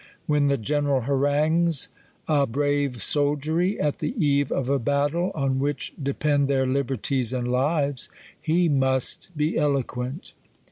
Wheri the general harangues a brave soldiery, at the eve of a bat tle, on v^/hich depend their liberties and lives, he must be eloquent.